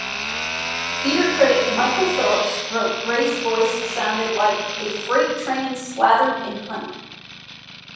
Theatre critic Michael Phillips wrote Gray's voice sounded like "a freight-train slathered in honey".